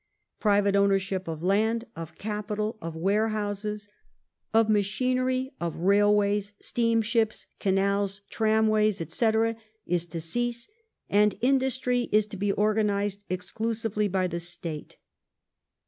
Private ownership of land, of capital, of warehouses, of machinery, of railways, steamships, canals, tramways, etc., is to cease, and industry is to be organized exclusively by the State.